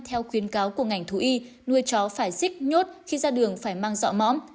theo khuyến cáo của ngành thú y nuôi chó phải xích nhốt khi ra đường phải mang dọ mõm